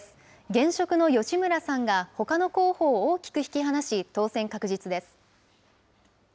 現職の吉村さんが、ほかの候補を大きく引き離し、当選確実です。